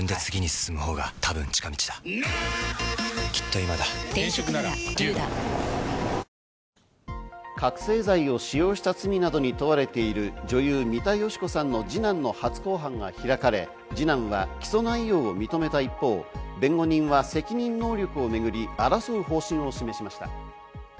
日経平均株価覚醒剤を使用した罪などに問われている女優・三田佳子さんの二男の初公判が開かれ、二男は起訴内容を認めた一方、弁護人は、責任能力をめぐり争う方針を示しました。